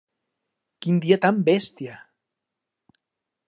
Quin dia tan bèstia!